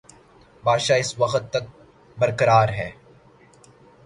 بادشاہ اس وقت تک برقرار ہے۔